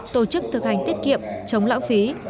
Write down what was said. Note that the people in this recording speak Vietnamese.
tổ chức thực hành tiết kiệm chống lãng phí